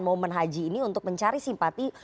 momen haji ini untuk mencari simpati